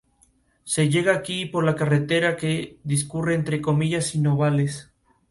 Se llega aquí por la carretera que discurre entre Comillas y Novales.